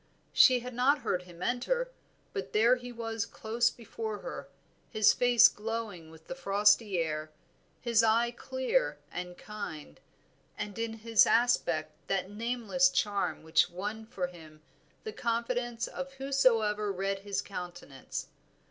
She had not heard him enter, but there he was close before her, his face glowing with the frosty air, his eye clear and kind, and in his aspect that nameless charm which won for him the confidence of whosoever read his countenance.